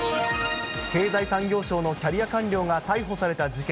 経済産業省のキャリア官僚が逮捕された事件。